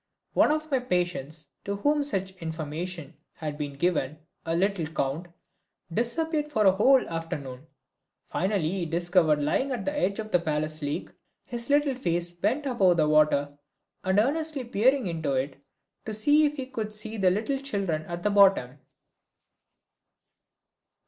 One of my patients to whom such information had been given, a little count, disappeared for a whole afternoon. Finally he was discovered lying at the edge of the palace lake, his little face bent above the water and earnestly peering into it to see if he could not see the little children at the bottom.